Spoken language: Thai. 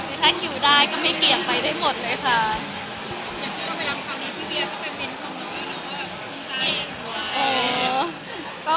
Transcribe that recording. คือถ้าคิวได้ก็ไม่เกี่ยงไปได้หมดเลยค่ะ